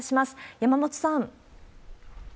山本さん。